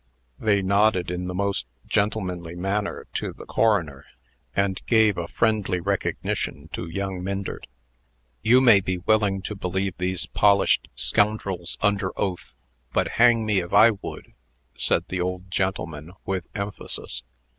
They nodded in the most gentlemanly manner to the coroner, and gave a friendly recognition to young Myndert. "You may be willing to believe these polished scoundrels under oath; but hang me if I would!" said the old gentleman, with emphasis.